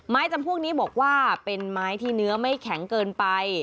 จำพวกนี้บอกว่าเป็นไม้ที่เนื้อไม่แข็งเกินไป